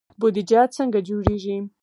بودجه څنګه جوړیږي؟